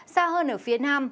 xa hơn ở phía nam